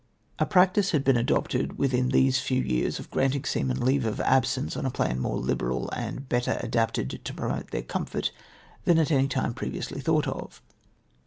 A practice had been adopted •288 MR. CROIvER S REPLY. Avithin these few years of granting seamen leave of absence on a plan more liberal and Ijetter adapted to promote their comfort than any that had been previously thought of.